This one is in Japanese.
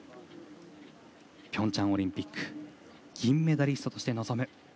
平昌オリンピック銀メダリストとして臨む